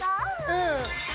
うん。